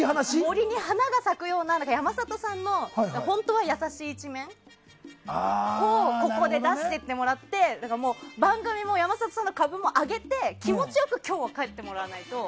「森」に花が咲くような山里さんの本当は優しい一面をここで出していってもらって番組も山里さんの株も上げて気持ち良く今日は帰ってもらわないと。